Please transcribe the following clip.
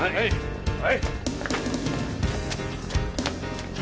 はい！